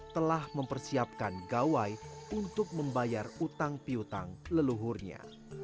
telah mempersiapkan gawai untuk membayar utang piutang leluhurnya